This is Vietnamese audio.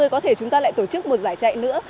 có thể chúng ta lại tổ chức một giải chạy nữa